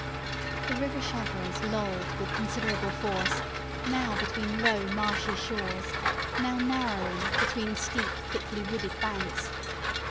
The river Chagres lolled with considerable force, now between low marshy shores, now narrowing, between steep, thickly wooded banks.